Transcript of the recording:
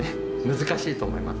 難しいと思います。